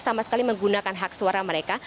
sama sekali menggunakan hak suara mereka